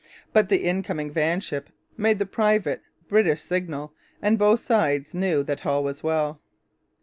But the incoming vanship made the private British signal, and both sides knew that all was well.